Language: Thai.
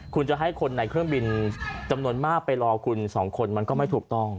คุณจะให้คนในเครื่องบินจำนวนมากไปรอคุณสองคนมันก็ไม่ถูกต้อง